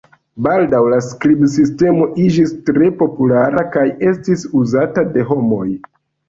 Baldaŭ la skribsistemo iĝis tre populara kaj estis uzata de homoj.